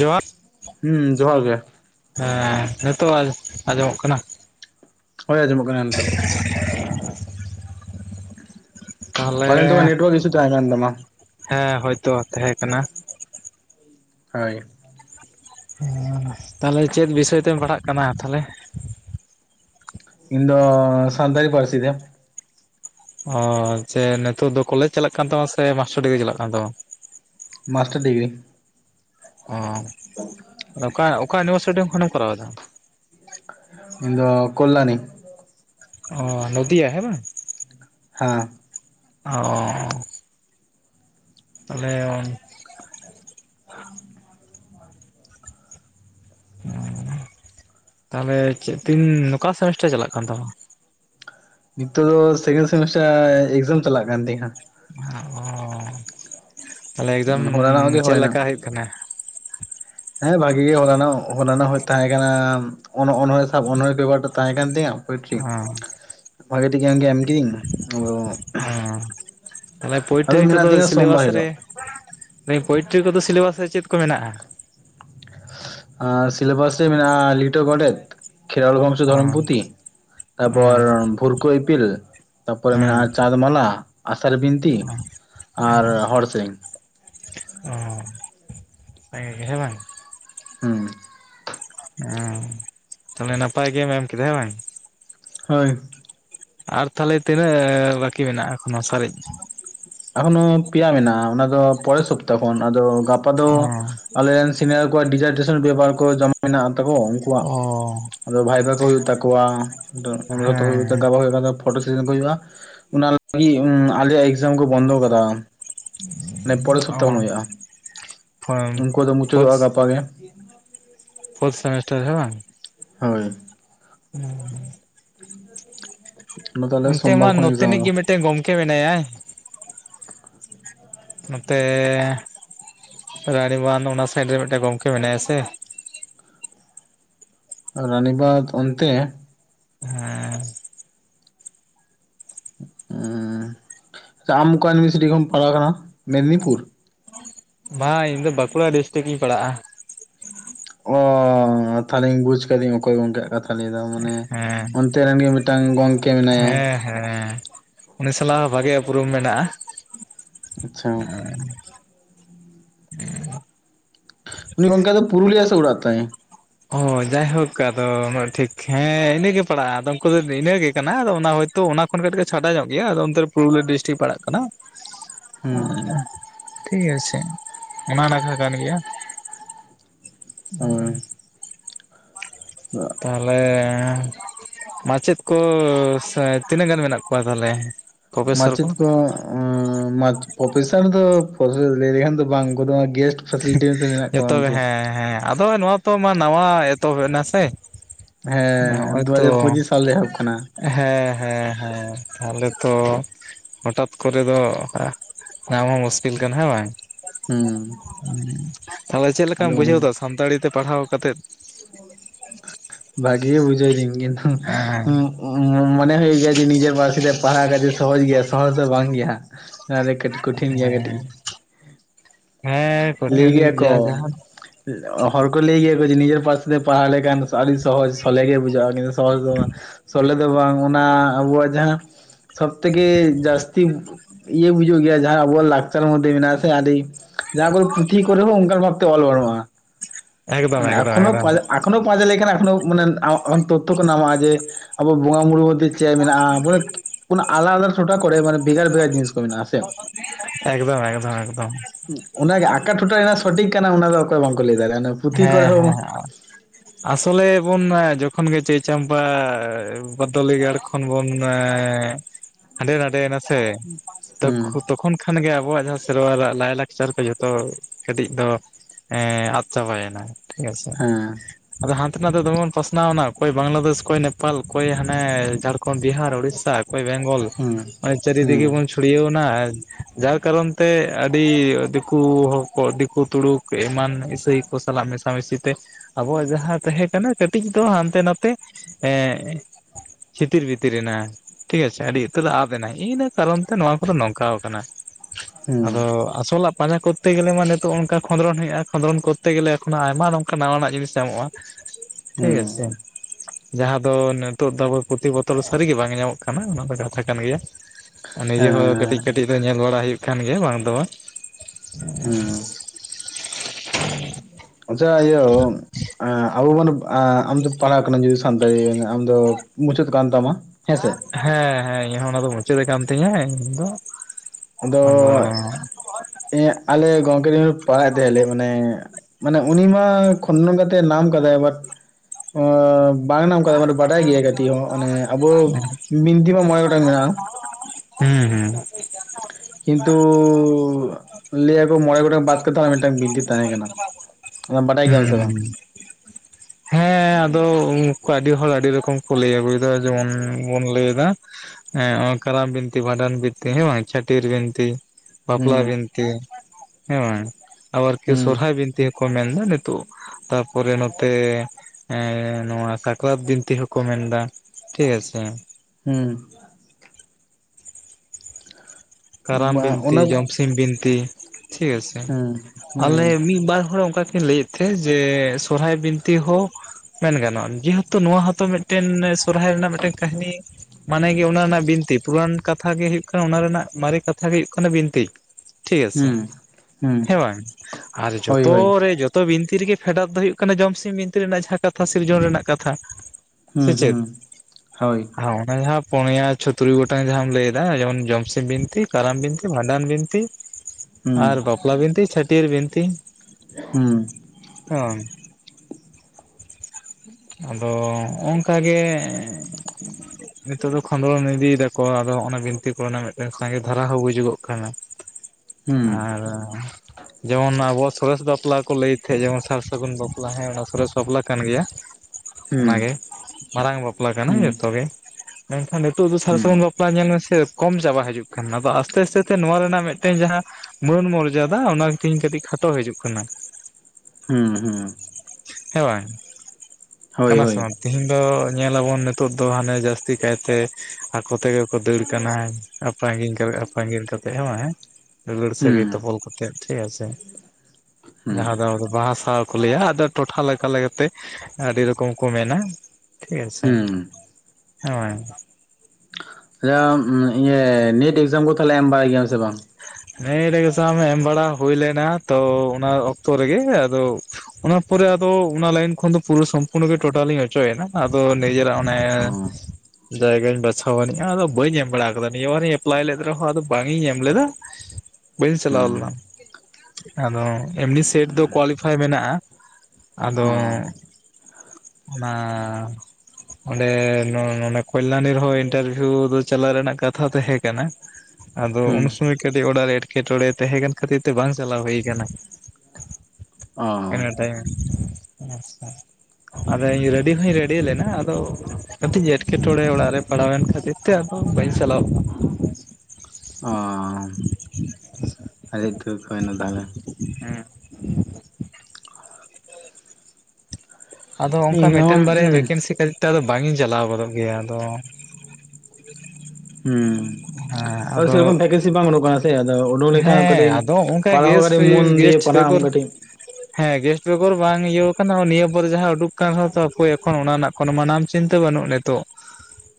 ᱡᱚᱦᱟᱨ, ᱦᱩᱸ ᱡᱚᱦᱟᱨ ᱜᱮ ᱦᱮᱸ ᱱᱤᱛᱳ ᱟᱸᱡ-ᱟᱸᱡᱚᱢᱚᱜ ᱠᱟᱱᱟ᱾ ᱦᱳᱭ, ᱟᱸᱡᱚᱢᱚᱜ ᱠᱟᱱᱟ ᱱᱤᱛᱳᱜ᱾ ᱛᱟᱦᱚᱞᱮ, ᱯᱟᱞᱮᱱ ᱛᱚᱢᱟ ᱱᱮᱴᱣᱟᱨᱠ ᱤᱥᱩ ᱛᱟᱦᱮᱸ ᱠᱟᱱ ᱛᱟᱢᱟ ᱦᱮᱸ ᱦᱚᱭᱛᱚ ᱛᱟᱦᱮᱸ ᱠᱟᱱᱟ᱾ ᱦᱳᱭ᱾ ᱛᱟᱦᱟᱞᱮ ᱪᱮᱫ ᱵᱤᱥᱚᱭ ᱛᱮᱢ ᱯᱟᱲᱦᱟᱜ ᱠᱟᱱᱟ ᱛᱟᱦᱟᱞᱮ? ᱤᱧ ᱫᱚᱻ ᱥᱟᱱᱛᱟᱨᱤ ᱯᱟᱹᱨᱥᱤ ᱛᱮ᱾ ᱚᱻ ᱪᱮ ᱱᱮᱛᱳᱜ ᱫᱚ ᱠᱚᱞᱮᱡ ᱪᱟᱞᱟᱜ ᱠᱟᱱ ᱛᱟᱢᱟ ᱥᱮ ᱢᱟᱥᱴᱟᱨ ᱰᱤᱜᱽᱨᱤ ᱪᱟᱞᱟᱜ ᱠᱟᱱ ᱛᱟᱢᱟ? Master degree. ᱚᱻ ᱚ [unintelligible] ᱚᱠᱟ-ᱚᱠᱟ ᱤᱭᱩᱱᱤᱵᱷᱟᱨᱥᱤᱴᱤ ᱠᱷᱚᱱᱮᱢ ᱠᱚᱨᱟᱣ ᱮᱫᱟ? ᱤᱧ ᱫᱚ ᱠᱞᱞᱟᱱᱤ᱾ ᱚ ᱱᱚᱫᱤᱭᱟ ᱦᱮᱸ ᱵᱟᱝ? ᱦᱮᱸ ᱚᱻ ᱛᱟᱦᱚᱞᱮ ᱚᱸᱻ ᱛᱟᱦᱞᱮ ᱪᱮᱫ ᱛᱤᱱ, ᱱᱚᱠᱟ ᱥᱮᱢᱤᱥᱴᱟᱨ ᱪᱟᱞᱟᱜ ᱠᱟᱱ ᱛᱟᱢᱟ? ᱱᱤᱛᱳᱜ ᱥᱮᱠᱮᱱᱰ ᱥᱮᱢᱤᱥᱴᱟᱨ ᱮᱠᱥᱡᱟᱢ ᱪᱟᱞᱟᱜ ᱠᱟᱱ ᱛᱤᱧ ᱦᱟᱸ᱾ ᱚᱻ ᱛᱟᱦᱚᱞᱮ ᱮᱠᱡᱟᱢ ᱢᱟᱱᱮ ᱦᱚᱞᱟᱱᱚᱜ ᱜᱮ ᱪᱮᱫ ᱦᱩᱭᱱᱟ ᱞᱮᱠᱟ ᱦᱩᱭᱩᱜ ᱠᱟᱱᱟ? ᱦᱮᱸ ᱵᱷᱟᱜᱤ ᱜᱮ, ᱦᱚᱞᱟᱱᱚᱜ ᱦᱚᱞᱟᱱᱚᱜ ᱦᱚᱸ ᱛᱟᱦᱮᱸ ᱠᱟᱱᱟ, ᱚᱱ-ᱚᱱᱚᱲᱦᱮᱸ ᱥᱟᱵ ᱚᱱᱚᱲᱦᱮ ᱯᱮᱯᱟᱨ ᱴᱟᱜ ᱛᱟᱦᱮᱸ ᱠᱟᱱ ᱛᱤᱧᱟᱹ᱾ ᱯᱳᱭᱮᱴᱴᱨᱤ, ᱚ ᱵᱷᱟᱜᱮ ᱴᱤᱠᱟᱱ ᱜᱮ ᱮᱢ ᱠᱤᱫᱟᱧ ᱟᱫ ᱚ ᱛᱟᱦᱚᱞᱮ ᱯᱳᱭᱮᱴᱴᱨᱤ ᱠᱚᱫᱚ ᱥᱳᱢᱵᱟᱨ ᱥᱤᱞᱮᱵᱟᱥ ᱨᱮ, ᱦᱤᱞᱳᱜ ᱯᱳᱭᱮᱴᱴᱨᱤ ᱠᱚᱫᱚ ᱥᱤᱞᱮᱵᱟᱥ ᱨᱮ ᱪᱮᱫ ᱠᱚ ᱢᱮᱱᱟᱜᱼᱟ? ᱥᱤᱞᱵᱟᱥ ᱨᱮ ᱢᱮᱱᱟᱜᱼᱟ ᱞᱤᱴᱟᱹ ᱜᱚᱰᱮᱛ, ᱠᱷᱮᱨᱣᱟᱞ ᱵᱚᱝ ᱚ ᱫᱷᱚᱨᱚᱢ ᱯᱩᱛᱤ ᱛᱟᱯᱚᱨ ᱦᱩᱸ ᱵᱷᱩᱨᱠᱟᱹᱜ ᱤᱯᱤᱞ ᱛᱟᱯᱚᱨᱮ ᱦᱩᱸ ᱢᱮᱱᱟᱜ-ᱟ ᱪᱟᱸᱫ ᱢᱟᱞᱟ, ᱟᱥᱟᱨ ᱵᱤᱱᱛᱤ ᱟᱨ ᱦᱚᱲ ᱥᱮᱨᱮᱧ᱾ ᱚ ᱵᱷᱟᱜᱮ ᱜᱮ ᱦᱮᱸ ᱵᱟᱝ? ᱦᱩᱸ᱾ ᱚᱸ ᱛᱟᱦᱚᱞᱮ ᱱᱟᱯᱟᱭ ᱜᱮᱢ ᱮᱢ ᱠᱮᱫᱟ ᱦᱮᱸ ᱵᱟᱝ? ᱦᱳᱭ᱾ ᱟᱨ ᱛᱟᱦᱚᱞᱮ ᱛᱤᱱᱟᱹᱜᱻ ᱵᱟᱹᱠᱤ ᱢᱮᱱᱟᱜᱼᱟ ᱮᱠᱷᱚᱱᱳ ᱥᱟᱨᱮᱡ? ᱮᱠᱷᱚᱱᱚ ᱯᱮᱭᱟ ᱢᱮᱱᱟᱜᱼᱟ᱾ ᱚᱱᱟ ᱫᱚ ᱯᱚᱨᱮᱨ ᱥᱚᱯᱛᱟ ᱠᱷᱚᱱ ᱟᱫᱚ ᱜᱟᱯᱟ ᱫᱚ ᱚ ᱟᱞᱮᱨᱮᱱ ᱥᱤᱱᱤᱭᱟᱨ ᱠᱚᱣᱟᱜ ᱰᱤᱡᱟᱨᱴᱮᱥᱚᱱ ᱯᱮᱯᱟᱨ ᱠᱚ ᱡᱚᱢᱟ ᱢᱮᱱᱟᱜ ᱛᱟᱠᱚ ᱩᱱᱠᱩᱣᱟᱜ ᱚ ᱟᱫᱚ ᱵᱷᱟᱭᱵᱦᱟ ᱠᱚ ᱦᱳᱭᱳᱜ ᱛᱟᱠᱚᱣᱟ ᱦᱮᱸ [unintelligible] ᱯᱷᱳᱴᱳ ᱥᱮᱥᱮᱱ ᱠᱚ ᱦᱩᱭᱩᱜᱼᱟ, ᱚᱱᱟ ᱞᱟᱹᱜᱤᱫ ᱟᱞᱮᱭᱟᱜ ᱮᱠᱥᱡᱟᱢ ᱠᱚ ᱵᱚᱱᱫᱚ ᱠᱟᱫᱟ᱾ ᱢᱟᱱᱮ ᱯᱚᱨᱮᱨ ᱚ ᱥᱚᱯᱛᱟ ᱠᱷᱚᱱ ᱦᱳᱭᱳᱜᱼᱟ, ᱩᱱᱠᱩᱣᱟᱜ ᱫᱚ ᱯᱷᱳᱨᱛ ᱢᱩᱪᱟᱹᱫᱚᱜᱼᱟ ᱜᱟᱯᱟ ᱜᱮ᱾ [inaudible] [inaudible] ᱦᱮᱸ ᱵᱟᱝ? ᱦᱳᱭ᱾ ᱦᱮᱸ, [inaudible] ᱚᱱᱟ ᱛᱟᱦᱚᱞᱮ ᱚᱱᱛᱮ ᱢᱟ ᱥᱳᱢᱵᱟᱨ ᱠᱷᱚᱱ ᱮᱠᱡᱟᱢ ᱱᱚᱛᱮᱱᱤᱡ ᱟᱨᱚ ᱜᱮ ᱢᱤᱫᱴᱮᱱ ᱜᱚᱢᱠᱮ ᱢᱮᱱᱟᱭᱟ᱾ ᱱᱚᱛᱮ, ᱨᱟᱱᱤ ᱵᱟᱸᱫᱷ ᱚᱱᱟ ᱥᱟᱭᱤᱰ ᱨᱮ ᱢᱤᱫᱴᱮᱡ ᱜᱚᱝᱠᱮ ᱢᱮᱱᱟᱭᱟ ᱥᱮ? ᱨᱟᱱᱤᱵᱟᱸᱫᱽ ᱚᱱᱛᱮ, ᱦᱮᱸ᱾ ᱮᱸ, ᱟᱪᱷᱟ ᱟᱢ ᱚᱠᱟ ᱤᱭᱩᱱᱤᱵᱷᱟᱨᱥᱤᱴᱤ ᱠᱷᱚᱱ ᱯᱟᱲᱷᱟᱣ ᱠᱟᱱᱟ ᱢᱮᱫᱽᱱᱤᱯᱩᱨ? ᱵᱟᱝ ᱤᱧ ᱫᱚ ᱵᱟᱸᱠᱩᱲᱟ ᱰᱤᱥᱴᱤᱠ ᱤᱧ ᱯᱟᱲᱟᱜᱼᱟ᱾ ᱚ ᱛᱟᱦᱚᱞᱮᱧ ᱵᱩᱡ ᱠᱟᱫᱤᱧ ᱚᱠᱚᱭ ᱜᱚᱝᱠᱮᱭᱟᱜ ᱠᱟᱛᱷᱟ ᱞᱟᱹᱭ ᱫᱟᱢ᱾ ᱢᱟᱱᱮ ᱦᱮᱸ ᱚᱱᱛᱮ ᱨᱮᱱ ᱜᱮ ᱢᱤᱫᱴᱟᱝ ᱜᱚᱝᱠᱮ ᱢᱮᱱᱟᱭᱟ᱾ ᱦᱮᱸ ᱦᱮᱸ ᱩᱱᱤ ᱥᱟᱞᱟᱜ ᱦᱚ ᱵᱷᱟᱜᱮ ᱩᱯᱨᱩᱢ ᱢᱮᱱᱟᱜᱼᱟ᱾ ᱟᱪᱪᱷᱟ, ᱩᱱᱤ ᱜᱚᱝᱠᱮᱭᱟᱜ ᱫᱚ ᱯᱩᱨᱩᱞᱤᱭᱟᱹ ᱥᱮᱫ ᱚᱲᱟᱜ ᱛᱟᱭ᱾ ᱚ ᱡᱟᱭᱦᱳᱠ ᱟᱫᱚ ᱩᱱᱟᱹᱜ ᱴᱷᱤᱠ ᱦᱮᱸ ᱤᱱᱟᱹᱜᱮ ᱯᱟᱲᱟᱜᱼᱟ ᱟᱫᱚ ᱩᱱᱠᱩ ᱫᱚ ᱤᱱᱟᱹᱜ ᱜᱮ ᱠᱟᱱᱟ ᱟᱫᱚ ᱚᱱᱟ ᱦᱚᱭᱛᱳ ᱚᱱᱟ, ᱠᱷᱚᱱ ᱠᱟᱹᱴᱤᱡ ᱠᱚ ᱪᱷᱟᱰᱟ ᱧᱚᱜ ᱜᱮᱭᱟ ᱟᱫᱚ ᱚᱱᱛᱮ ᱯᱩᱨᱩᱞᱤᱭᱟᱹ ᱰᱤᱥᱴᱤᱠ ᱯᱟᱲᱟᱜ ᱠᱟᱱᱟ᱾ ᱦᱮᱸ ᱴᱷᱤᱠ ᱟᱪᱷᱮ ᱚᱱᱟ ᱱᱟᱠᱷᱟ ᱠᱟᱱ ᱜᱮᱭᱟ᱾ ᱦᱳᱭ᱾ [inaudible] ᱛᱟᱦᱚᱞᱮ ᱢᱟᱪᱮᱫ ᱠᱚ ᱥᱮ ᱛᱤᱱᱟᱹᱜ ᱜᱟᱱ ᱢᱮᱱᱟᱜ ᱠᱚᱣᱟ ᱛᱟᱦᱚᱞᱮ? ᱢᱟᱪᱮᱫ ᱠᱚ, ᱯᱨᱚᱯᱷᱮᱥᱟᱨ ᱫᱚ ᱞᱟᱹᱭ ᱞᱮᱠᱷᱟᱱ ᱫᱚ ᱵᱟᱝ ᱩᱱᱠᱩ ᱫᱚ ᱜᱮᱥᱴ, ᱯᱷᱮᱥᱤᱞᱤᱴᱤ ᱨᱮ ᱢᱮᱱᱟᱜ ᱠᱚᱣᱟ ᱡᱚᱛᱚ ᱜᱮ ᱩᱱᱠᱩ ᱦᱮᱸ ᱦᱮᱸ ᱛᱚ ᱢᱟ ᱱᱟᱣᱟ ᱮᱛᱚᱵ ᱱᱟᱥᱮ? ᱦᱮᱸ ᱫᱩᱦᱟᱡᱟᱨ ᱯᱚᱸᱪᱤᱥ ᱥᱟᱞᱨᱮ ᱮᱦᱚᱵ ᱠᱟᱱᱟ᱾ ᱦᱮᱸ ᱦᱮᱸ ᱦᱮᱸ ᱛᱟᱦᱚᱞᱮ ᱛᱚ, ᱦᱚᱴᱟᱛ ᱠᱚᱨᱮ ᱫᱚ ᱧᱟᱢ ᱦᱚᱸ ᱢᱩᱥᱠᱤᱞ ᱠᱟᱱᱟ ᱦᱮᱸ ᱵᱟᱝ᱾ ᱦᱩᱸ, ᱦᱮᱸ ᱛᱟᱦᱞᱮ ᱪᱮᱫ ᱞᱮᱠᱟᱢ ᱵᱩᱡᱷᱟᱹᱣᱫᱟ ᱥᱟᱱᱛᱟᱲᱤ ᱛᱮ ᱯᱟᱲᱦᱟᱣ ᱠᱟᱛᱮᱫ? ᱵᱷᱟᱜᱤᱭ ᱜᱮ ᱵᱩᱡᱟᱹᱭ ᱫᱤᱧ ᱠᱤᱱᱛᱩ ᱦᱮᱸ ᱢᱚᱱᱮ ᱦᱳᱭᱳᱜ ᱜᱮᱭᱟ ᱡᱮ ᱱᱤᱡᱮᱨ ᱵᱟᱥ ᱨᱮ ᱯᱟᱲᱦᱟᱜ ᱠᱟᱹᱴᱤᱡ ᱥᱚᱦᱚᱡ ᱜᱮᱭᱟ ᱥᱚᱦᱚᱡᱽ ᱫᱚ ᱵᱟᱝ ᱜᱮᱭᱟ ᱦᱟᱸᱜ ᱚᱱᱟᱴᱤᱡ ᱠᱚᱴᱷᱤᱱ ᱜᱮᱭᱟ ᱠᱟᱹᱴᱤᱡ᱾ ᱦᱮᱸ ᱞᱟᱹᱭ ᱠᱚᱴᱷᱤᱱ ᱜᱮᱭᱟ ᱡᱟ ᱠᱚ ᱡᱟᱦᱟᱸ ᱦᱚᱲ ᱠᱚ ᱞᱟᱹᱭ ᱜᱮᱭᱟ ᱠᱚ ᱱᱤᱡᱮᱨ ᱯᱟᱨᱥᱮ ᱛᱮ ᱯᱟᱲᱟᱣ ᱞᱮᱠᱷᱟᱱ ᱟᱹᱰᱤ ᱥᱚᱦᱡᱽ ᱥᱚᱞᱦᱮᱜᱮ ᱵᱩᱡᱷᱟᱹᱜᱼᱟ᱾ ᱥᱚᱦᱚᱡ ᱫᱚ ᱵᱟᱝ ᱥᱚᱞᱦᱮ ᱫᱚ ᱵᱟᱝ ᱚᱱᱟ ᱟᱵᱚᱣᱟᱜ ᱡᱟᱦᱟᱸ ᱥᱚᱵ ᱛᱷᱮᱠᱮ ᱡᱟᱹᱟᱥᱛᱤ ᱤᱭᱟᱹ ᱵᱩᱡᱷᱟᱹᱜ ᱜᱮᱭᱟ ᱡᱟᱦᱟᱸ ᱟᱵᱚᱣᱟᱜ ᱞᱟᱠᱪᱟᱨ ᱢᱚᱫᱽᱫᱷᱮ ᱢᱮᱱᱟᱜᱼᱟᱥᱮ ᱟᱹᱰᱤ ᱡᱟᱦᱟ ᱠᱚᱨᱮ ᱯᱩᱸᱛᱷᱤ ᱠᱚᱨᱮ ᱦᱚ ᱚᱱᱠᱟ ᱵᱷᱟᱵᱛᱮ ᱚᱞ ᱵᱟᱱᱩᱜᱼᱟ ᱮᱠᱫᱚᱢ ᱢᱟᱱᱮ ᱮᱠᱫᱚᱢ ᱮᱠᱷᱳᱱᱚ [unintelligible] ᱮᱠᱫᱚᱢ ᱮᱠᱷᱚᱱᱚ ᱯᱟᱸᱡᱟ ᱞᱮᱠᱷᱟᱱ ᱮᱠᱷᱚ ᱢᱟᱱᱮ ᱛᱚᱛᱚ ᱠᱚ ᱱᱟᱢᱟ ᱡᱮ ᱟᱵᱚ ᱵᱚᱸᱜᱟ ᱢᱩᱲᱩ ᱢᱚᱫᱽᱫᱮ ᱪᱮ ᱢᱮᱱᱟᱜᱼᱟ ᱵᱚᱞᱮ ᱟᱞᱟ ᱟᱞᱟ ᱴᱚᱴᱷᱟ ᱠᱚᱨᱮ ᱢᱟᱱᱮ ᱵᱷᱮᱜᱟᱨ ᱵᱷᱮᱜᱟᱨ ᱡᱤᱱᱤᱥ ᱠᱚ ᱢᱮᱱᱟᱜᱼᱟ ᱥᱮ ᱮᱠᱫᱚᱢ ᱮᱠᱫᱚᱢ ᱮᱠᱫᱚᱢ ᱚᱱᱟᱜᱮ ᱟᱠᱟ ᱴᱚᱴᱷᱟ ᱨᱮᱱᱟᱜ ᱥᱚᱴᱷᱤᱠ ᱠᱟᱱᱟ ᱚᱱᱟ ᱫᱚ ᱚᱠᱚᱭ ᱵᱟᱝᱠᱚ ᱞᱟᱹᱭ ᱫᱟᱲᱮᱭᱟᱜᱼᱟ ᱯᱩᱛᱷᱤ ᱦᱮᱸ ᱠᱚᱨᱮ ᱦᱚᱸ ᱦᱮᱸ ᱟᱥᱚᱞᱮ ᱵᱚᱱ ᱡᱚᱠᱷᱚᱱ ᱜᱮ ᱪᱟᱹᱭ ᱪᱟᱢᱯᱟ ᱵᱟᱫᱚᱞᱤ ᱜᱟᱲ [unintelligible] ᱦᱟᱸᱰᱮ ᱱᱟᱰᱮ ᱱᱟ ᱥᱮ ᱛᱟᱹ ᱦᱩᱸ ᱛᱚᱠᱷᱚᱱ ᱠᱷᱟᱱ ᱜᱮ ᱟᱵᱚᱣᱟᱜ ᱡᱟᱦᱟᱸ ᱥᱮᱨᱣᱟ ᱞᱟᱭᱼᱞᱟᱠᱪᱟᱨ ᱡᱚᱛᱚ ᱠᱟᱹᱴᱤᱡ ᱫᱚ ᱦᱮᱸ ᱟᱸᱼᱼ ᱪᱟᱵᱟᱭᱮᱱᱟ ᱴᱷᱤᱠ ᱟᱪᱷᱮ ᱦᱮᱸ ᱟᱫᱚ ᱦᱟᱱᱛᱮ ᱱᱟᱛᱮ ᱫᱚᱢᱮ ᱵᱚᱱ ᱯᱟᱥᱱᱟᱣᱱᱟ ᱚᱠᱚᱭ ᱵᱟᱝᱞᱟᱫᱮᱥ ᱚᱠᱚᱭ ᱱᱮᱯᱟᱞ ᱚᱠᱚᱭ ᱦᱟᱱᱮ ᱡᱷᱟᱲᱠᱷᱚᱸᱰ ᱵᱤᱦᱟᱨ ᱩᱲᱤᱥᱥᱟ ᱚᱠᱚᱭ ᱵᱮᱝᱜᱚᱞ ᱦᱩᱸ ᱪᱟᱹᱨᱤ ᱫᱤᱠᱮ ᱦᱩᱸ ᱵᱚᱱ ᱪᱷᱩᱼᱼᱼ ᱪᱷᱩᱲᱭᱟᱹᱣ ᱱᱟ ᱡᱟᱨ ᱠᱟᱨᱚᱱᱛᱮ ᱫᱤᱠᱩ ᱦᱚᱸᱠᱚ ᱫᱤᱠᱩ ᱛᱩᱲᱩᱠ ᱮᱢᱟᱱ ᱤᱥᱟᱹᱭ ᱠᱩ ᱥᱟᱞᱟᱜ ᱢᱮᱥᱟᱢᱤᱥᱤ ᱛᱮ ᱟᱵᱚᱣᱟᱜ ᱡᱟᱦᱟᱸ ᱛᱟᱦᱮᱸ ᱠᱟᱱᱟ ᱠᱟᱹᱴᱤᱡ ᱫᱚ ᱦᱟᱱᱛᱮ ᱱᱟᱛᱮ ᱦᱮᱸ ᱪᱤᱛᱤᱨ ᱵᱷᱤᱛᱤᱨ ᱮᱱᱟ ᱴᱷᱤᱠ ᱟᱪᱷᱮ ᱟᱹᱰᱤ ᱩᱛᱟᱹᱨ ᱫᱚ ᱟᱫ ᱮᱱᱟ ᱤᱱᱟᱹ ᱠᱟᱨᱚᱱ ᱛᱮ ᱱᱚᱣᱟ ᱠᱚᱫᱚ ᱱᱚᱝᱠᱟᱣ ᱠᱟᱱᱟ ᱦᱩᱸ ᱟᱫᱚ ᱟᱥᱚᱞᱟᱜ ᱯᱟᱸᱡᱟ ᱠᱚᱨᱛᱮ ᱜᱮᱞᱮ ᱢᱟ ᱱᱤᱛᱳᱜ ᱚᱱᱠᱟ ᱠᱷᱚᱸᱫᱽᱨᱚᱱ ᱦᱩᱭᱩᱜᱼᱟ ᱠᱷᱚᱸᱫᱽᱨᱚᱱ ᱠᱚᱼᱼᱼ ᱠᱚᱨᱛᱮ ᱜᱮᱞᱮ ᱮᱠᱷ ᱟᱭᱢᱟ ᱱᱚᱝᱠᱟ ᱱᱟᱣᱟᱱᱟᱜ ᱡᱤᱱᱤᱥ ᱧᱟᱢᱚᱜᱼᱟ ᱴᱷᱤᱠ ᱟᱪᱷᱮ ᱡᱟᱦᱟᱸ ᱫᱚ ᱱᱤᱛᱚᱜ ᱫᱚ ᱟᱵᱚ ᱯᱩᱛᱷᱤ ᱵᱚᱛᱚᱞ ᱥᱟᱹᱨᱤᱜᱮ ᱵᱟᱝ ᱧᱟᱢᱚᱜ ᱠᱟᱱᱟ ᱚᱱᱟ ᱫᱚ ᱠᱟᱛᱷᱟ ᱠᱟᱱ ᱜᱤᱭᱟ ᱦᱩᱸ ᱱᱤᱡᱮ ᱦᱚᱸ ᱠᱟᱹᱴᱤᱡ ᱦᱮᱸ ᱠᱟᱹᱴᱤᱡ ᱫᱚ ᱧᱮᱞ ᱵᱟᱲᱟ ᱦᱳᱭᱳᱜ ᱠᱟᱱ ᱜᱮᱭᱟ ᱵᱟᱝ ᱫᱚ ᱵᱟᱝ ᱦᱩᱸ ᱟᱪᱪᱷᱟ ᱤᱭᱟᱹ ᱟᱵᱚ ᱵᱚᱱ ᱟᱢ ᱯᱟᱲᱦᱟᱜ ᱠᱟᱱᱟ ᱡᱩᱫᱤ ᱥᱟᱱᱛᱟᱲᱤ ᱟᱢ ᱫᱚ ᱢᱩᱪᱟᱹᱫ ᱠᱟᱱ ᱛᱟᱢᱟ ᱦᱮᱸᱥᱮ ᱦᱮᱸ ᱦᱮᱸ ᱤᱧᱟᱜ ᱦᱚ ᱚᱱᱟ ᱫᱚ ᱢᱩᱪᱟᱹᱫ ᱠᱟᱱ ᱛᱤᱧᱟᱹ ᱤᱧ ᱫᱚ ᱟᱫᱚ ᱟᱞᱮ ᱜᱚᱝᱠᱮ [unintelligible] ᱯᱟᱲᱦᱟᱣᱮᱫ ᱛᱟᱦᱮᱸᱫ ᱞᱮ ᱢᱟᱱᱮ ᱢᱟᱱᱮ ᱩᱱᱤ ᱢᱟ ᱠᱷᱚᱫᱨᱚᱱ ᱠᱟᱛᱮ ᱱᱟᱢ ᱠᱟᱫᱟᱭ ᱵᱟᱴ ᱚᱸᱼᱼ ᱵᱟᱝ ᱱᱮᱢᱟᱢ ᱠᱟᱫᱟ ᱢᱟᱱᱮ ᱵᱟᱰᱟᱭ ᱜᱮᱭᱟ ᱠᱟᱹᱴᱤᱡ ᱚᱱᱮ ᱟᱵᱚ ᱵᱤᱱᱛᱤ ᱢᱟ ᱢᱚᱸᱬᱮ ᱜᱚᱴᱟᱝ ᱢᱮᱱᱟᱜᱼᱟ᱾ ᱦᱩᱸ ᱦᱩᱸ ᱠᱤᱱᱛᱩ ᱞᱟᱹᱭ ᱟᱠᱚ ᱢᱚᱸᱬᱮ ᱜᱚᱴᱟᱝ ᱵᱟᱫ ᱠᱟᱛᱮᱫ ᱟᱨ ᱢᱤᱫᱴᱟᱝ ᱵᱤᱱᱛᱤ ᱛᱟᱦᱮᱸ ᱠᱟᱱᱟ᱾ ᱚᱱᱟ ᱵᱟᱰᱟᱭ ᱜᱮᱭᱟᱢ ᱥᱮ ᱦᱩᱸ ᱵᱟᱝ? ᱦᱮᱸ ᱟᱫᱚ ᱠᱚ ᱟᱹᱰᱤ ᱦᱚᱲ ᱟᱹᱰᱤ ᱨᱚᱠᱚᱢ ᱠᱚ ᱞᱟᱹᱭ ᱟᱹᱜᱩᱭᱫᱟ ᱡᱮᱢᱚᱱ ᱵᱚᱱ ᱞᱟᱹᱭ ᱫᱟ ᱦᱮᱸ ᱠᱟᱨᱟᱢ ᱵᱤᱱᱛᱤ, ᱵᱷᱟᱸᱰᱟᱱ ᱵᱤᱱᱛᱤ ᱦᱮᱸ ᱵᱟᱝ ᱪᱷᱟᱹᱴᱭᱟᱹᱨ ᱵᱤᱱᱛᱤ᱾ ᱵᱟᱯᱞᱟ ᱦᱩᱸ ᱵᱤᱱᱛᱤ ᱦᱮᱸ ᱵᱟᱝ ᱟᱵᱟᱨ ᱠᱤ ᱦᱩᱸ ᱥᱚᱨᱦᱟᱭ ᱵᱤᱱ ᱫᱤᱭᱮ ᱠᱚ ᱢᱮᱱᱫᱟ ᱱᱤᱛᱳᱜ ᱛᱟᱯᱚᱨᱮ ᱱᱚᱛᱮ ᱮᱸ ᱱᱚᱣᱟ ᱥᱟᱠᱨᱟᱛ ᱵᱤᱱᱛᱤ ᱦᱚᱸᱠᱚ ᱢᱮᱱᱫᱟ ᱴᱷᱤᱠ ᱟᱪᱷᱮ ᱦᱩᱸ ᱠᱟᱨᱟᱢ ᱵᱟ ᱵᱤᱱᱛᱤ, ᱚᱱᱟ ᱡᱚᱢᱥᱤᱢ ᱵᱤᱱᱛᱤ᱾ ᱴᱷᱤᱠ ᱟᱪᱷᱮ ᱦᱩᱸ ᱦᱩᱸ ᱟᱞᱮ ᱢᱤᱫ ᱵᱟᱨ ᱦᱚᱲ ᱚᱱᱠᱟ ᱠᱤᱱ ᱞᱟᱹᱭᱮᱫ ᱛᱮ ᱡᱮ ᱥᱚᱨᱦᱟᱭ ᱵᱤᱱᱛᱤ ᱦᱚ ᱢᱮᱱ ᱜᱟᱱᱚᱜᱼᱟ᱾ ᱡᱮᱦᱮᱛᱩ ᱱᱚᱣᱟ ᱦᱚᱛᱚ ᱢᱤᱫ ᱴᱮᱱ ᱥᱚᱨᱦᱟᱭ ᱨᱮᱱᱟᱜ ᱢᱤᱫ ᱴᱮᱱ ᱠᱟᱹᱦᱱᱤ ᱢᱟᱱᱮ ᱜᱮ ᱚᱱᱟ ᱨᱮᱱᱟᱜ ᱵᱤᱱᱛᱤ ᱯᱩᱨᱟᱹᱱ ᱠᱟᱛᱷᱟ ᱜᱮ ᱦᱳᱭᱳᱜ ᱠᱟᱱᱟ᱾ ᱚᱱᱟ ᱨᱮᱱᱟᱜ ᱢᱟᱨᱮ ᱠᱟᱛᱷᱟ ᱜᱮ ᱦᱳᱭᱳᱜ ᱠᱟᱱᱟ ᱵᱤᱱᱛᱤ᱾ ᱴᱷᱤᱠ ᱟᱪᱷᱮ ᱦᱩᱸ ᱦᱩᱸ ᱦᱮᱸ ᱵᱟᱝ ᱟᱨ ᱦᱳᱭ ᱡᱚᱛᱚ ᱦᱳᱭ ᱨᱮ ᱡᱚ ᱛᱚ ᱵᱤᱱᱛᱤ ᱨᱮᱜᱮ ᱯᱷᱮᱰᱟᱛ ᱫᱚ ᱦᱩᱭᱩᱜ ᱠᱟᱱᱟ᱾ ᱡᱚᱢ ᱥᱤᱢ ᱵᱤᱱᱛᱤ ᱨᱮᱱᱟᱜ ᱡᱟᱸᱦᱟ ᱠᱟᱛᱷᱟ ᱥᱤᱨᱡᱚᱱ ᱨᱮᱱᱟᱜ ᱠᱟᱛᱷᱟ᱾ ᱦᱩᱸ ᱥᱮ ᱪᱮᱫ? ᱦᱩᱸ ᱦᱳᱭ ᱟᱨ ᱚᱱᱟ ᱡᱟᱸᱦᱟ ᱯᱳᱱᱭᱟ ᱪᱷᱚ ᱛᱩᱨᱩᱭ ᱜᱚᱴᱟᱝ ᱡᱟᱸᱦᱟᱢ ᱞᱟᱹᱭᱫᱟ ᱡᱮᱢᱚᱱ ᱡᱚᱢᱥᱤᱢ ᱵᱤᱱᱛᱤ, ᱠᱟᱨᱟᱢ ᱵᱤᱱᱛᱤ, ᱵᱷᱟᱸᱰᱟᱱ ᱵᱤᱱᱛᱤ᱾ ᱦᱩᱸ ᱟᱨ ᱵᱟᱯᱞᱟ ᱵᱤᱱᱛᱤ, ᱪᱷᱟᱹᱴᱭᱟᱹᱨ ᱵᱤᱱᱛᱤ᱾ ᱦᱩᱸ ᱾ ᱚᱸ ᱾ ᱟᱫᱚ ᱚᱝᱠᱟᱜᱮ ᱱᱤᱛᱳᱜ ᱫᱚ ᱠᱷᱚᱸᱫᱽᱨᱚᱱ ᱤᱫᱤᱭ ᱫᱟᱠᱚ ᱟᱫᱚ ᱦᱚᱜ ᱚᱱᱟ ᱵᱤᱱᱛᱤ ᱠᱚᱵᱨᱮᱱᱟᱜ ᱢᱤᱫᱴᱮᱱ ᱥᱟᱸᱜᱮ ᱫᱷᱟᱨᱟ ᱦᱚᱸ ᱵᱩᱡᱩ ᱜᱚᱸᱜ ᱠᱟᱱᱟ᱾ ᱦᱩᱸ ᱟᱨ ᱡᱮᱢᱚᱱ ᱟᱵᱚᱣᱟᱜ ᱥᱚᱨᱮᱥ ᱵᱟᱯᱞᱟ ᱠᱚ ᱞᱟᱹᱭᱮᱫ ᱛᱟᱦᱮᱸᱫ ᱡᱮᱢᱚᱱ ᱥᱟᱨ ᱥᱟᱹᱜᱩᱱ ᱵᱟᱯᱞᱟ, ᱦᱮᱸ ᱚᱱᱟ ᱥᱚᱨᱮᱥ ᱵᱟᱯᱞᱟ ᱠᱟᱱ ᱜᱮᱭᱟ᱾ ᱦᱩᱸ ᱚᱱᱟ ᱜᱮ ᱢᱟᱨᱟᱝ ᱵᱟᱯᱞᱟ ᱠᱟᱱᱟ ᱦᱩᱸ ᱡᱷᱚᱛᱚ ᱜᱮ ᱢᱮᱱᱠᱷᱟᱱ ᱱᱤᱛᱚᱜ ᱫᱚ ᱥᱟᱨ ᱦᱩᱸ ᱥᱟᱹᱜᱩᱱ ᱵᱟᱯ ᱞᱵᱟ ᱧᱮᱞ ᱢᱮᱥᱮ ᱠᱚᱢ ᱪᱟᱵᱟ ᱦᱤᱡᱩᱜ ᱠᱟᱱᱟ᱾ ᱟᱫᱚ ᱟᱥᱛᱮ ᱟᱥᱛᱮ ᱛᱮ ᱱᱚᱣᱟ ᱨᱮᱱᱟᱜ ᱢᱤᱫᱴᱮᱱ ᱡᱟᱸᱦᱟ ᱢᱟᱹᱱ ᱢᱚᱨᱡᱟᱫᱟ ᱚᱱᱟ ᱛᱮᱦᱮᱧ ᱠᱟᱹᱴᱤᱡ ᱠᱷᱟᱴᱚ ᱦᱤᱡᱩᱜ ᱠᱟᱱᱟ᱾ ᱦᱩᱸ ᱦᱩᱸ᱾ ᱦᱮᱸ ᱵᱟᱝ ᱦᱳᱭ ᱠᱟᱱ ᱥᱮ ᱦᱳᱭ ᱵᱟᱝ? ᱛᱮᱦᱮᱧ ᱫᱚ ᱧᱮᱞ ᱟᱵᱚᱱ ᱱᱤᱛᱚᱜ ᱫᱚ ᱦᱟᱱᱮ ᱡᱟᱹᱥᱛᱤ ᱠᱟᱭ ᱛᱮ ᱟᱠᱚ ᱛᱮᱜᱮ ᱠᱚ ᱫᱟᱹᱲ ᱠᱟᱱᱟ᱾ ᱯᱨᱟᱝᱜᱤᱧ ᱠᱟᱛᱮᱜ ᱟᱸᱯᱟᱜᱤᱨ ᱠᱟᱛᱮᱜ ᱦᱮᱸᱵᱟᱝ ᱦᱮᱸ᱾ ᱫᱩᱞᱟᱹᱲ ᱥᱟᱹᱜᱟᱹᱭ ᱦᱩᱸ ᱛᱚᱯᱚᱞ ᱠᱟᱛᱮᱜ ᱴᱷᱤᱠ ᱟᱪᱷᱮ ᱦᱩᱸ ᱡᱟᱸᱦᱟ ᱫᱚ ᱟᱫᱚ ᱵᱟᱦᱟ ᱥᱟᱦᱟ ᱠᱚ ᱞᱟᱹᱭᱼᱟ ᱾ ᱟᱫᱚ ᱴᱚᱴᱷᱟ ᱞᱮᱠᱟ ᱞᱮᱠᱟᱛᱮ ᱟᱹᱰᱤ ᱨᱚᱠᱚᱢ ᱠᱚ ᱢᱮᱱᱟ᱾ ᱴᱷᱤᱠ ᱟᱪᱷᱮ ᱦᱩᱸ ᱦᱮᱸ ᱵᱟᱝ! [unintelligible] ᱤᱭᱟᱹ ᱱᱤᱴ ᱮᱠᱡᱟᱢ ᱠᱚ ᱛᱟᱦᱚᱞᱮ ᱮᱢ ᱵᱟᱲᱟᱭ ᱜᱮᱭᱟᱢ ᱥᱮ ᱵᱟᱝ? ᱱᱤᱴ ᱮᱠᱡᱟᱢ ᱮᱢ ᱵᱟᱲᱟ ᱦᱳᱭ ᱞᱮᱱᱟ ᱛᱚ ᱚᱱᱟ ᱚᱠᱛᱚ ᱨᱮᱜᱮ ᱟᱫᱚ ᱚᱱᱟ ᱯᱚᱨᱮ ᱟᱫᱚ ᱚᱱᱟ ᱞᱟᱭᱤᱱ ᱠᱷᱚᱱ ᱫᱚ ᱯᱩᱨᱟᱹ ᱥᱚᱢᱯᱩᱨᱱᱚ ᱜᱮ ᱴᱟᱞᱤᱧ ᱚᱪᱚᱜᱮᱱᱟ, ᱟᱫᱚ ᱱᱤᱡᱮᱨᱟᱜ ᱱᱮᱻ ᱚ ᱡᱟᱭᱜᱟᱧ ᱵᱟᱪᱷᱟᱣ ᱟᱱᱤᱡᱟ, ᱟᱫᱚ ᱵᱟᱹᱧ ᱮᱢ ᱵᱟᱲᱟ ᱠᱟᱫᱟ ᱾ ᱱᱤᱭᱟᱹ ᱟᱵᱟᱨ ᱤᱧ ᱮᱯᱞᱟᱭ ᱞᱮᱫ ᱨᱮᱦᱚᱸ ᱟᱫᱚ ᱵᱟᱝ ᱤᱧ ᱮᱢ ᱞᱮᱫᱟ᱾ ᱵᱟᱹᱧ ᱪᱟᱞᱟᱣ ᱦᱩᱸ ᱞᱮᱱᱟ᱾ ᱟᱫᱚ ᱮᱢᱱᱤ ᱥᱮᱴ ᱫᱚ ᱠᱳᱣᱟᱞᱤᱯᱷᱟᱭ ᱢᱮᱱᱟᱜᱼᱟ ᱟᱫᱚ ᱚ ᱚᱱᱟ ᱚᱸᱰᱮ ᱱᱚᱜ ᱱᱚᱰᱮ ᱠᱚᱞᱞᱟᱱᱤ ᱨᱮᱦᱚᱸ ᱤᱱᱴᱟᱨᱵᱷᱤᱭᱩ ᱫᱚ ᱪᱟᱞᱟᱜ ᱨᱮᱱᱟᱜ ᱠᱟᱛᱷᱟ ᱛᱟᱦᱮᱸ ᱠᱟᱱᱟ ᱾ ᱟᱫᱚ ᱦᱩᱸ ᱩᱱ ᱥᱚᱢᱚᱭ ᱠᱟᱹᱴᱤᱡ ᱚᱲᱟᱜ ᱨᱮ ᱮᱸᱴᱠᱮᱴᱚᱬᱮ ᱛᱟᱦᱮᱸ ᱠᱟᱱ ᱠᱷᱟᱹᱛᱤᱨ ᱛᱮ ᱵᱟᱝ ᱪᱟᱞᱟᱣ ᱦᱩᱭ ᱠᱟᱱᱟ᱾ ᱚ ᱮᱱᱮ ᱴᱟᱹᱭᱤᱢ, ᱟᱪᱷᱟ᱾ ᱟᱫᱚ ᱤᱧ ᱨᱮᱰᱤ ᱦᱚᱧ ᱨᱮᱰᱤ ᱞᱮᱱᱟ, ᱟᱫᱚ ᱠᱟᱹᱴᱤᱡ ᱤᱧ ᱮᱸᱴᱠᱮᱴᱚᱬᱮ ᱚᱲᱟᱜ ᱨᱮ ᱯᱟᱲᱟᱣᱮᱱ ᱠᱷᱟᱹᱛᱤᱨ ᱛᱮ ᱟᱫᱚ ᱵᱟᱧ ᱪᱟᱞᱟᱣ [inaudible] ᱚᱸᱻ [inaudible] ᱟᱹᱰᱤ ᱫᱩᱠ ᱦᱩᱭᱱᱟ ᱛᱟᱦᱚᱞᱮ᱾ ᱦᱮᱸ᱾ ᱟᱫᱚ ᱚᱱᱠᱟ ᱤᱧ ᱢᱤᱫᱴᱮᱱ ᱦᱚᱸ ᱵᱟᱨᱭᱟ ᱦᱩᱸ ᱵᱷᱮᱠᱮᱱᱥᱤ ᱠᱷᱟ ᱛᱮ ᱟᱫᱚ ᱵᱟᱝ ᱤᱧ ᱪᱟᱞᱟᱣ ᱜᱚᱫᱚᱜ ᱜᱮᱭᱟ ᱟᱫᱚ ᱦᱮᱸ ᱟᱫᱚ, ᱥᱮᱨᱚᱠᱚᱢ ᱵᱷᱮᱠᱮᱱᱥᱤ ᱵᱟᱝ ᱩᱰᱩᱠ ᱠᱟᱱᱟ ᱥᱮ ᱟᱫᱚ ᱩᱰᱩᱠ ᱞᱮᱠᱷᱟᱱ ᱦᱮᱸ ᱠᱟᱹᱴᱤᱡ ᱟᱫᱚ ᱩ ᱠᱟ ᱜᱮ ᱯᱟᱲᱦᱟᱣ ᱜᱮᱥ ᱠᱟᱹᱴᱤᱡ ᱢᱚᱱ ᱦᱩᱭᱩᱜ ᱫᱤᱭᱮ ᱯᱟᱲᱦᱟᱜ ᱟᱢ ᱵᱮᱜᱚᱨ, ᱠᱟᱹᱴᱤᱡ ᱦᱮᱸ ᱜᱮᱥᱴ ᱵᱮᱜᱚᱨ ᱵᱟᱝ ᱤᱭᱟᱹ ᱟᱠᱟᱱᱟ ᱱᱤᱭᱟᱹ ᱯᱚᱨᱮ ᱡᱟᱦᱟᱸ ᱩᱰᱩᱠ ᱠᱟᱱ ᱨᱮᱦᱚᱸ ᱛᱚ ᱦᱟᱯᱳᱭ ᱮᱠᱷᱚᱱ ᱚᱱᱟ ᱨᱮᱱᱟᱜ ᱠᱚᱱᱚ ᱢᱟᱱᱟᱢ ᱪᱤᱱᱛᱟᱹ ᱵᱟᱹᱱᱩᱜ ᱱᱮᱛᱚᱜ᱾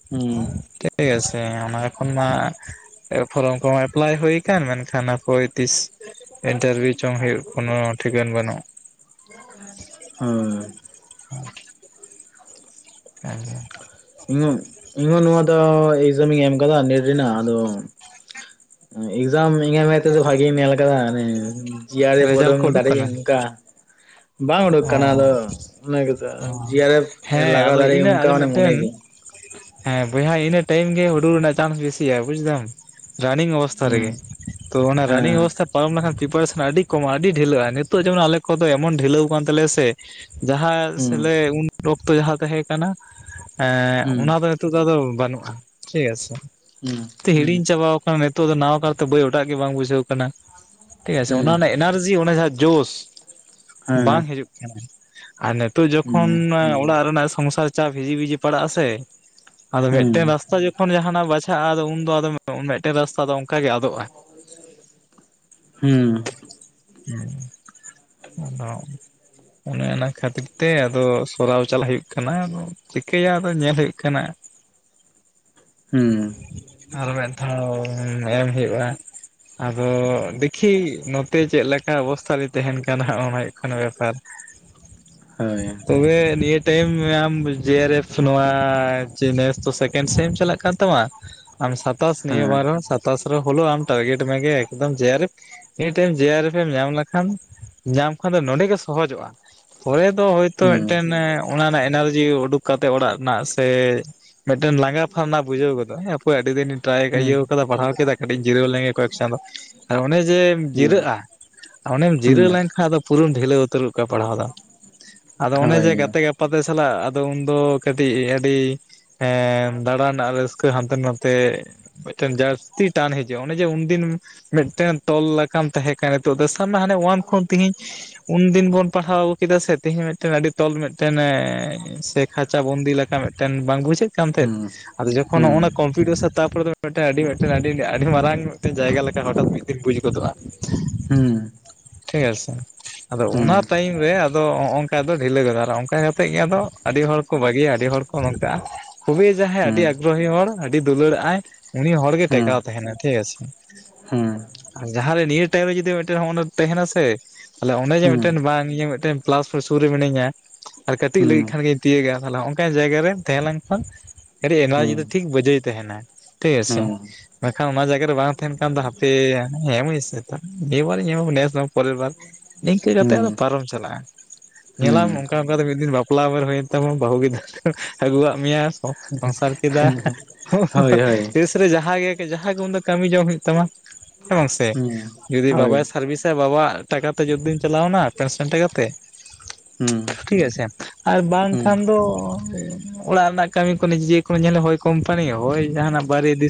ᱦᱩᱸ᱾ ᱴᱷᱤᱠ ᱟᱪᱷᱮ ᱚᱱᱟ ᱮᱠᱷᱚᱱ ᱢᱟ ᱮ ᱯᱷᱚᱨᱚᱢ ᱠᱚ ᱮᱯᱞᱟᱭ ᱦᱩᱭ ᱟᱠᱟᱱ, ᱢᱮᱱᱠᱷᱟᱱ ᱦᱟᱯᱳᱭ ᱛᱤᱥ ᱤᱱᱴᱟᱨᱵᱷᱤᱭᱩ ᱪᱚᱝ ᱦᱩᱭᱩᱜ ᱠᱳᱱᱳ ᱴᱷᱤᱠᱟᱹᱱ ᱵᱟᱹᱱᱩᱜ! [inaudible] ᱦᱩᱸ᱾ [inaudible] [unintelligible] ᱦᱩᱸ ᱤᱧ ᱦᱚᱸ ᱱᱚᱣᱟ ᱫᱚ [unintelligible] ᱤᱧ ᱮᱢ ᱠᱟᱫᱟ ᱱᱮᱴ ᱨᱮᱱᱟᱜ ᱟᱫᱚᱼᱼ ᱮᱠᱡᱟᱢ ᱤᱧᱟᱜ ᱢᱮᱛ ᱛᱮᱫᱚ ᱵᱷᱟᱜᱤᱢ ᱧᱮᱞ ᱠᱟᱫᱟ ᱟᱱᱮᱼᱼ ᱡᱤᱭᱟᱨᱮ ᱨᱮᱡᱟᱞᱴ ᱯᱚᱨᱚᱝ ᱠᱚ ᱩᱰᱩᱠ ᱫᱟᱲᱮᱜ ᱠᱟᱱᱟ ᱚᱝᱠᱟᱼᱼ ᱵᱟᱝ ᱩᱰᱩᱠ ᱠᱟᱱᱟ ᱚ ᱟᱫᱚ, ᱚᱱᱟ ᱜᱮᱛᱚ, ᱚ ᱡᱤᱭᱟᱨᱮᱯᱷ ᱦᱮᱸ ᱞᱟᱜᱟᱣ ᱟᱫᱚ ᱫᱟᱲᱮ ᱤᱱᱟᱹ ᱚᱱᱠᱟ ᱟᱫᱚ ᱢᱟᱱᱮ ᱢᱚᱱᱮᱭ ᱢᱤᱫᱴᱮᱱ ᱫᱤᱧ᱾ ᱦᱮᱸ ᱵᱚᱭᱦᱟ ᱤᱱᱟᱹ ᱴᱟᱭᱤᱢ ᱜᱮ, ᱦᱩᱲᱩ ᱨᱮᱱᱟᱜ ᱪᱟᱱᱥ ᱵᱮᱥᱤᱭᱟ ᱵᱩᱡᱫᱟᱢ᱾ ᱨᱟᱱᱤᱝ ᱚᱵᱚᱥᱛᱟ ᱨᱮᱜᱮ, ᱦᱩᱸ ᱛᱚ ᱚᱱᱟ ᱨᱟᱱᱤᱝ ᱦᱮᱸ ᱚᱵᱚᱥᱛᱟ ᱯᱟᱨᱚᱢ ᱞᱮᱱᱠᱷᱟᱱ ᱯᱨᱤᱯᱟᱨᱮᱥᱚᱱ ᱟᱹᱰᱤ ᱠᱚᱢᱼᱟ ᱟᱹᱰᱤ ᱰᱷᱤᱞᱟᱹᱜᱼᱟ, ᱱᱤᱛᱚᱜ ᱡᱮᱢᱚᱱ ᱟᱞᱮ ᱠᱚᱫᱚ ᱮᱢᱚᱱ ᱰᱷᱤᱞᱟᱹᱣ ᱟᱠᱟᱱ ᱛᱟᱞᱮᱭᱟ ᱥᱮ᱾ ᱡᱟᱦᱟᱸ ᱦᱩᱸ ᱥᱮᱞᱟᱹᱭ ᱩᱱ ᱚᱠᱛᱚ ᱡᱟᱦᱟᱸ ᱛᱟᱦᱮᱸ ᱠᱟᱱᱟ, ᱮᱸᱻ ᱦᱩᱸ ᱚᱱᱟ ᱫᱚᱼᱼ ᱱᱤᱛᱳᱜ ᱫᱚ ᱟᱫᱚ ᱵᱟᱹᱱᱩᱜᱼᱟ, ᱴᱷᱤᱠ ᱟᱪᱪᱷᱮ ᱦᱩᱸ ᱛᱮ ᱦᱤᱲᱤᱧ ᱪᱟᱵᱟ ᱱᱤᱛᱚᱜ ᱫᱚ ᱱᱟᱣᱟ ᱠᱟᱨᱛᱮ ᱵᱟᱹᱭ ᱚᱴᱟᱜ ᱜᱮ ᱵᱟᱝ ᱵᱩᱡᱷᱟᱹᱣ ᱠᱟᱱᱟ, ᱴᱷᱤᱠ ᱟᱪᱮ ᱦᱩᱸ ᱦᱩᱸ ᱚᱱᱟ ᱨᱮᱱᱟᱜ ᱮᱼᱼ ᱮᱱᱟᱨᱡᱤ ᱚᱱᱟᱴᱮ ᱡᱟᱸᱦᱟ ᱡᱚᱥᱼᱼ ᱦᱮᱸ ᱵᱟᱝ ᱦᱤᱡᱩᱜ ᱠᱟᱱᱟ ᱟᱨ ᱱᱤᱛᱚᱜ ᱦᱩᱸ ᱡᱚᱠᱷᱚᱱ ᱢᱟ ᱚᱲᱟᱜ ᱨᱮᱱᱟᱜ ᱥᱚᱝᱥᱟᱨ ᱪᱟ ᱵᱷᱤᱡᱤ ᱵᱷᱤᱡᱤ ᱯᱟᱲᱟᱜ-ᱟ ᱥᱮ, ᱟᱫᱚ ᱢᱤᱫᱴᱮᱱ ᱦᱩᱸ ᱨᱟᱥᱛᱟ ᱡᱚ ᱡᱟᱦᱟᱸ ᱱᱟᱜ ᱵᱟᱪᱷᱟᱜᱼᱟ ᱟᱫᱚ ᱩᱱᱫᱚ ᱢᱮᱫᱴᱮᱱ ᱨᱟᱥᱛᱟ ᱫᱚᱼᱼ ᱦᱩᱸ᱾ ᱦᱮᱸ ᱟᱫᱚᱼᱼ ᱚᱱᱮ ᱚᱱᱟ ᱠᱷᱟᱹᱛᱤᱨ ᱛᱮ ᱟᱫᱚ ᱥᱚᱨᱟᱣ ᱪᱟᱞᱟᱜ ᱦᱩᱭᱩᱜ ᱠᱟᱱᱟ ᱟᱫᱚ ᱪᱤᱠᱟᱹᱭᱟ ᱟᱫᱚ ᱧᱮᱞ ᱦᱩᱭᱩᱜ ᱠᱟᱱᱟ᱾ [inaudible] ᱦᱩᱸ᱾ ᱟᱨ ᱢᱤᱫ ᱫᱷᱟᱣ ᱮᱢ ᱦᱩᱭᱩᱜᱼᱟ᱾ ᱟᱫᱚ ᱫᱤᱠᱷᱤ ᱱᱚᱛᱮ ᱪᱮᱫ ᱞᱮᱠᱟ ᱚᱵᱚᱥᱛᱟ ᱨᱮ ᱛᱟᱦᱮᱱ ᱠᱟᱱ ᱦᱟᱸᱜ ᱚᱱᱟᱭᱼᱼ ᱵᱮᱯᱟᱨ ᱦᱳᱭ ᱦᱮᱸ ᱛᱚᱵᱮ ᱱᱤᱭᱟᱹ ᱴᱤᱭᱤᱢ [unintelligible] ᱡᱤᱭᱟᱨᱮᱯᱷ ᱱᱚᱣᱟ ᱡᱤᱱᱮᱥ ᱫᱚ ᱥᱮᱠᱮᱱᱰ ᱥᱮᱢ ᱪᱟᱞᱟᱜ ᱠᱟᱱ ᱛᱟᱢᱟ? ᱟᱢ ᱥᱟᱛᱟᱥ ᱱᱤᱭᱟᱹ ᱦᱩᱸ ᱵᱟᱨᱦᱚ ᱥᱟᱛᱟᱥ ᱨᱮ ᱦᱚᱞᱚ ᱴᱟᱨᱜᱮᱴ ᱢᱮᱜᱮ ᱮᱠᱫᱚᱢ ᱡᱮᱭᱟᱨᱮᱯᱷ ᱢᱤᱴᱷᱮᱱ ᱡᱮᱭᱟᱨᱮᱯᱷ ᱮᱢ ᱧᱟᱢ ᱞᱮᱠᱷᱟᱱ ᱧᱟᱢ ᱠᱷᱟᱱ ᱫᱚ ᱱᱚᱰᱮ ᱜᱮ ᱥᱚᱦᱚᱡᱚᱜᱼᱟ, ᱯᱚᱨᱮ ᱫᱚ ᱦᱳᱭᱛᱳ ᱢᱤᱫᱴᱮᱱ ᱮᱸ ᱚᱱᱟ ᱨᱮᱱᱟᱜ ᱮᱱᱟᱨᱡᱤ ᱩᱰᱩᱠ ᱠᱟᱛᱮ ᱚᱲᱟᱜ ᱨᱮᱱᱟᱜ ᱥᱮ, ᱢᱤᱫᱴᱟᱹᱱ ᱞᱟᱸᱜᱟ ᱯᱷᱟᱨᱱᱟ ᱵᱩᱡᱷᱟᱹᱣ ᱜᱚᱫᱚᱜ-ᱟ, ᱦᱮᱸ ᱯᱩᱨᱟᱹ ᱟᱹᱰᱤ ᱫᱤᱱᱤᱧ ᱴᱨᱟᱭ ᱤᱭᱟᱹ ᱠᱟᱫᱟ ᱯᱟᱲᱦᱟᱣ ᱠᱮᱫᱟᱭ ᱠᱟᱹᱴᱤᱡ ᱡᱤᱨᱟᱹᱣ ᱞᱮᱱ ᱜᱮ ᱠᱚᱭᱮᱠ ᱪᱟᱸᱫᱚ᱾ ᱟᱨ ᱚᱱᱮ ᱡᱮᱢ ᱦᱩᱸ ᱡᱤᱨᱟᱹᱜᱼᱟ ᱚᱱᱮᱢ ᱦᱩᱸ ᱦᱩᱸ ᱡᱤᱨᱟᱹᱣ ᱞᱮᱱᱠᱷᱟᱱ ᱟᱫᱚᱼᱼ ᱯᱩᱨᱟᱹᱢ ᱰᱷᱤᱞᱟᱹᱣ ᱩᱛᱟᱹᱨ ᱜᱚᱜ ᱠᱟᱜᱼᱟ ᱯᱟᱲᱦᱟᱣ ᱫᱚ ᱟᱫᱚ ᱚᱱᱮ ᱦᱳᱭ ᱡᱮ ᱜᱟᱛᱮ ᱜᱟᱼᱼ ᱯᱟᱛᱮ ᱥᱟᱞᱟᱜ ᱟᱫᱚ ᱩᱱᱫᱚ ᱠᱟᱹᱴᱤᱡ ᱟᱹᱰᱤᱼᱼ ᱦᱮᱸ ᱫᱟᱬᱟᱱ ᱨᱮᱱᱟᱜ ᱨᱟᱹᱥᱠᱟᱹ ᱦᱟᱱᱛᱮ ᱱᱟᱛᱮᱼᱼ ᱢᱤᱫᱴᱮᱱ ᱡᱟᱥᱛᱤ ᱴᱟᱱ ᱦᱤᱡᱩᱜᱼᱟ ᱚᱱᱮ ᱡᱮ ᱩᱱᱫᱤᱱ ᱢᱤᱫᱴᱮᱱ ᱛᱚᱞ ᱞᱮᱠᱼᱼ ᱠᱟᱱ ᱛᱟᱦᱮᱸ ᱠᱟᱱ ᱱᱤᱛᱚᱜ ᱫᱚ ᱥᱟᱵ ᱢᱮ ᱦᱟᱱᱮ ᱳᱣᱟᱱ ᱠᱷᱚᱱ ᱛᱤᱦᱤᱧ ᱩᱱᱫᱤᱱ ᱵᱚᱱ ᱯᱟᱲᱦᱟᱣᱼᱼ ᱠᱮᱫᱟ ᱥᱮ ᱛᱤᱦᱤᱧ ᱢᱤᱫᱴᱮᱱ ᱟᱹᱰᱤ ᱛᱚᱞ ᱢᱤᱫᱴᱮᱱ ᱮᱻ ᱥᱮ ᱠᱷᱟᱪᱟ ᱵᱚᱱᱫᱤ ᱞᱮᱠᱟ ᱢᱤᱫᱴᱮᱱ ᱵᱟᱝ ᱵᱩᱡᱟᱹᱜᱼᱼ ᱠᱟᱱᱛᱮᱫ ᱦᱩᱸ ᱟᱫᱚ ᱡᱚᱠᱷᱚᱱ ᱦᱩᱸ ᱱᱚᱜᱼᱚᱱᱟ ᱠᱚᱢᱯᱤᱭᱩᱴᱟᱨ ᱥᱟᱼᱼ ᱛᱟᱯᱚᱨᱮ ᱫᱚ ᱢᱤᱫᱴᱮᱱ ᱟᱹᱰᱤ ᱢᱤᱫᱴᱮᱱ ᱟᱹᱰᱤ ᱟᱹᱰᱤ ᱢᱟᱨᱟᱝ ᱢᱤᱫᱴᱮᱱ ᱡᱟᱭᱜᱟ ᱞᱮᱠᱟ ᱦᱚᱴᱟᱛ ᱢᱤᱫ ᱫᱤᱱ ᱵᱩᱡ ᱜᱚᱫᱚᱜᱼᱟ ᱦᱩᱸ ᱾ ᱴᱷᱤᱠ ᱟᱪᱷᱮᱼᱼ ᱟᱫᱚ ᱦᱩᱸ ᱦᱩᱸ ᱚᱱᱟ ᱴᱟᱭᱤᱢ ᱨᱮ ᱟᱫᱚ ᱚᱝᱠᱟ ᱫᱚ ᱰᱷᱤᱞᱟᱹ ᱜᱚᱫᱚᱜ-ᱟ ᱚᱱᱠᱟ ᱠᱟᱛᱮᱫ ᱜᱮ ᱟᱫᱚ ᱟᱹᱰᱤ ᱦᱚᱲ ᱠᱚ ᱵᱟᱹᱜᱤᱭᱟ ᱟᱹᱰᱤ ᱦᱚᱲᱼᱼ ᱱᱚᱜᱼᱚ ᱱᱚᱝᱠᱟ ᱠᱷᱩᱵᱤ ᱡᱟᱦᱟᱭ ᱟᱹᱰᱤ ᱟᱵᱤᱼᱼ ᱟᱜᱨᱚᱦᱤ ᱦᱚᱲ ᱟᱹᱰᱤ ᱫᱩᱞᱟᱹᱲᱟᱜᱼᱟᱭ ᱩᱱᱤ ᱦᱚᱲ ᱜᱮ ᱴᱮᱠᱟᱣ ᱛᱟᱦᱮᱱᱟᱭ ᱴᱷᱤᱠ ᱟᱪᱷᱮ᱾ ᱦᱩᱸ᱾ ᱟᱨ ᱡᱟᱦᱟᱸᱨᱮ ᱱᱤᱭᱟᱹ ᱴᱟᱭᱤᱢ ᱨᱮ ᱡᱩᱫᱤ ᱢᱤᱫᱴᱮᱱ ᱛᱟᱦᱮᱱᱟᱥᱮᱼᱼ ᱛᱟᱦᱚᱞᱮ ᱚᱱᱮ ᱡᱮ ᱦᱩᱸ ᱢᱤᱫᱴᱮᱱ ᱵᱟᱝ ᱤᱭᱟᱹ ᱢᱤᱫᱴᱮᱱ ᱯᱞᱟᱥ ᱯᱚᱭᱮᱱᱴ ᱥᱩᱨ ᱨᱮ ᱢᱤᱱᱟᱹᱧᱟ ᱟᱨ ᱠᱟᱹᱴᱤᱡ ᱞᱟᱹᱭ ᱦᱩᱸ ᱞᱮᱠᱷᱟᱱᱜᱤᱼᱼ ᱛᱤᱭᱟᱹᱜᱼᱟ ᱛᱟᱦᱚᱞᱮ ᱚᱱᱠᱟᱟᱱ ᱡᱟᱭᱜᱟ ᱨᱮ ᱛᱟᱦᱮᱸ ᱞᱮᱱᱠᱷᱟᱱᱼᱼ ᱠᱟᱹᱴᱤᱡ ᱮᱱᱟᱨᱡᱤ ᱦᱩᱸ ᱦᱩᱸ ᱫᱚ ᱴᱷᱤᱠ ᱵᱟᱹᱡᱟᱹᱭ ᱛᱟᱦᱮᱱᱟ ᱴᱷᱤᱠ ᱟᱪᱷᱮ ᱾ ᱦᱩᱸ ᱵᱟᱝᱠᱷᱟᱱ ᱚᱱᱟ ᱡᱟᱭᱜᱟ ᱨᱮ ᱵᱟᱝ ᱛᱟᱦᱮᱱ ᱠᱷᱟᱱ ᱫᱚ ᱦᱟᱯᱮ ᱮᱢᱟᱹᱧ ᱥᱮ ᱱᱤᱭᱟᱹ ᱵᱟᱨ ᱤᱧ ᱮᱢᱼᱟ ᱱᱮᱥ ᱫᱚ ᱵᱟᱝ ᱯᱚᱨᱮᱨᱵᱟᱨᱼᱼ ᱱᱤᱝᱠᱟᱹ ᱠᱟᱛᱮᱜ ᱟᱫᱚ ᱦᱩᱸ ᱯᱟᱨᱚᱢ ᱪᱟᱞᱟᱜᱼᱟ ᱾ ᱧᱮᱞ ᱟᱢ ᱦᱩᱸ ᱚᱱᱠᱟ ᱚᱱᱠᱟᱛᱮ ᱢᱤᱫ ᱫᱤᱱ ᱵᱟᱯᱞᱟ ᱩᱢᱮᱨ ᱦᱩᱭᱮᱱ ᱛᱟᱢᱟ ᱵᱟᱹᱦᱩ ᱜᱤᱫᱟᱹᱨᱼᱼ ᱟᱹᱜᱩᱣᱟᱜ ᱢᱮᱭᱟ ᱥᱚᱝᱥᱟᱨ ᱠᱮᱫᱟᱼ ᱼ ᱦᱳᱭ ᱦᱳᱭ [unintelligible] ᱨᱮ ᱡᱟᱦᱟᱸ ᱜᱮ ᱠᱟᱹᱪ ᱡᱟᱦᱟ ᱜᱮ ᱩᱱ ᱫᱚ ᱠᱟᱹᱢᱤ ᱡᱚᱢ ᱦᱩᱭᱩᱜ ᱛᱟᱢᱟ ᱼᱼ ᱦᱮᱸ ᱵᱟᱝ ᱥᱮ ᱦᱩᱸ ᱡᱩᱫᱤ ᱵᱟᱵᱟᱭ ᱦᱳᱭ ᱥᱟᱨᱵᱷᱤᱥᱟ ᱵᱟᱵᱟᱣᱟᱜ ᱴᱟᱠᱟᱼᱼ ᱛᱮ ᱡᱳᱫ ᱫᱤᱱ ᱪᱟᱞᱟᱣᱱᱟ ᱯᱮᱱ ᱥᱚᱱ ᱴᱟᱠᱟ ᱛᱮᱼᱼ ᱦᱩᱸ ᱴᱷᱤᱠ ᱟᱪᱷᱮ ᱟᱨ ᱦᱩᱸ ᱵᱟᱝᱠᱷᱟᱱ ᱫᱚᱼᱼ ᱚᱲᱟᱜ ᱨᱮᱱᱟᱜ ᱠᱟᱹᱢᱤ ᱠᱚ ᱱᱤᱡᱮᱠᱳ ᱦᱳᱭ ᱠᱳᱢᱯᱟᱱᱤ ᱦᱚᱭ ᱡᱟᱦᱟᱱᱟᱜ ᱵᱟᱭᱨᱮ ᱫᱤᱥᱼᱼ